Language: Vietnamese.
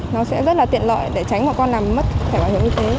nó sẽ rất là tiện lợi để tránh bọn con làm mất thẻ bảo hiểm y tế